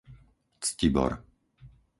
Ctibor